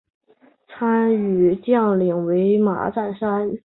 而中国军队参与将领为马占山。